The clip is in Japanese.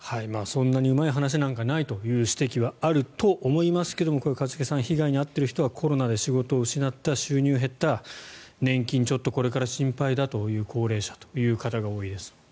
そんなにうまい話なんかないという指摘はあると思いますが一茂さん被害に遭っている人はコロナで仕事を失った収入が減った、年金ちょっとこれから心配だという高齢者という方が多いです。